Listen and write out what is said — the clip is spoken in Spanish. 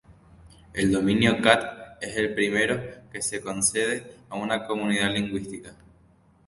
El dominio ".cat" es el primero que se concede a una comunidad lingüística.